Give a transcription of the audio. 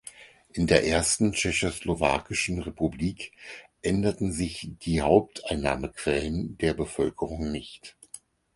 In der ersten tschechoslowakischen Republik änderten sich die Haupteinnahmequellen der Bevölkerung nicht.